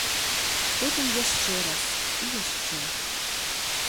Потым яшчэ раз, і яшчэ.